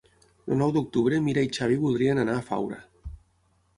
El nou d'octubre na Mira i en Xavi voldrien anar a Faura.